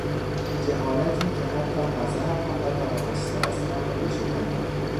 جهالتی که حتی مذهب هم نتوانسته است آن را ریشه کن کند